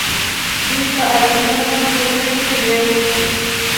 دوی په آیونونو ټوټه کیږي.